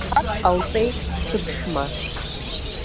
Аҭак ҟалҵеит сыԥшәма.